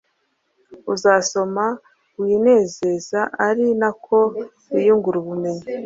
uzasoma winezeza ari na ko wiyungura ubumenyi,